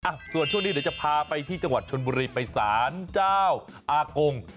ส่วนช่วงนี้เดี๋ยวจะพาไปที่จังหวัดชนบุรีไปสารเจ้าอากง